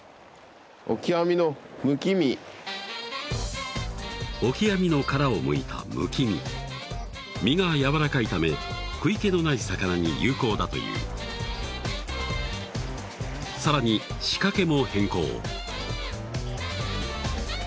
オキアミのムキミオキアミの殻をむいたムキミ身がやわらかいため食い気のない魚に有効だというさらに仕掛けも変更